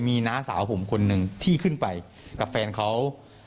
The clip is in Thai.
มีน้าสาวผมคนหนึ่งที่ขึ้นไปกับแฟนเขา